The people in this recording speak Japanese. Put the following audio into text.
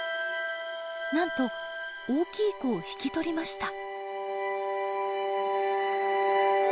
なんと大きい子を引き取りました。